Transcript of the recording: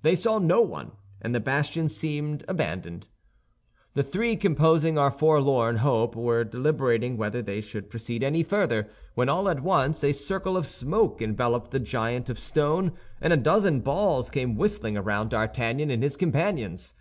They saw no one, and the bastion seemed abandoned. The three composing our forlorn hope were deliberating whether they should proceed any further, when all at once a circle of smoke enveloped the giant of stone, and a dozen balls came whistling around D'Artagnan and his companions.